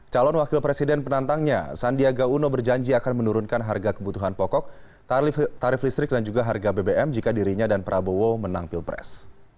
calon wakil presiden penantangnya sandiaga uno berjanji akan menurunkan harga kebutuhan pokok tarif listrik dan juga harga bbm jika dirinya dan prabowo menang pilpres